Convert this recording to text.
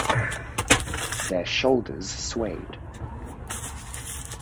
Their shoulders swayed.